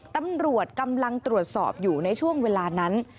ตำรวจกำลังตรวจสอบอยู่ในช่วงเวลานั้น